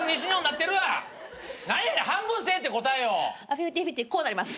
フィフティ・フィフティこうなります。